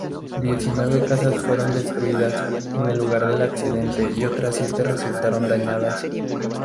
Diecinueve casas fueron destruidas en el lugar del accidente y otras siete resultaron dañadas.